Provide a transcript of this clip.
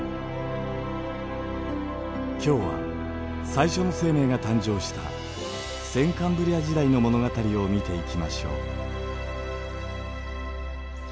今日は最初の生命が誕生した先カンブリア時代の物語を見ていきましょう。